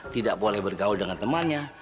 tidak boleh bergaul dengan temannya